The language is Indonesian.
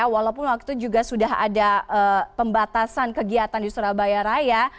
walaupun waktu itu juga sudah ada pembatasan kegiatan di surabaya raya